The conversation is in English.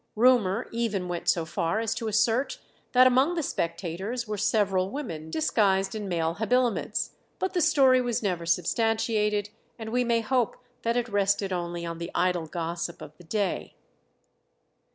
Rumour even went so far as to assert that among the spectators were several women, disguised in male habiliments; but the story was never substantiated, and we may hope that it rested only on the idle gossip of the day.